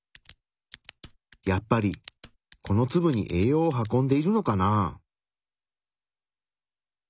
やっぱりこのツブに栄養を運んでいるのかな？